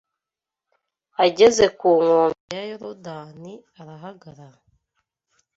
ageze ku nkombe ya Yorodani, arahagarara